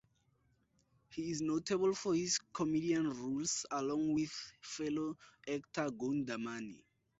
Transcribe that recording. He is notable for his comedian roles along with fellow actor Goundamani.